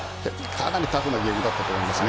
かなりタフなゲームだったと思います。